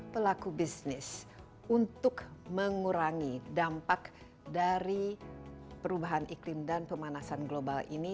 pelaku bisnis untuk mengurangi dampak dari perubahan iklim dan pemanasan global ini